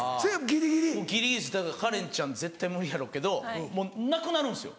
ギリギリですだからカレンちゃん絶対無理やろうけどもうなくなるんですよ。